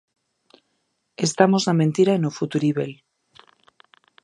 Estamos na mentira e no futuríbel.